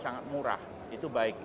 sangat murah itu baik baik saja